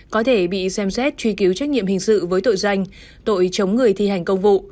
có thể bị xem xét truy cứu trách nhiệm hình sự với tội danh tội chống người thi hành công vụ